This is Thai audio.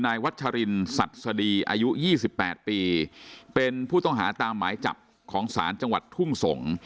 วัชรินสัสดีอายุ๒๘ปีเป็นผู้ต้องหาตามหมายจับของศาลจังหวัดทุ่งสงศ์